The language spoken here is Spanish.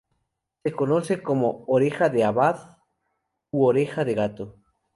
Se conoce como "oreja de abad u oreja de gato".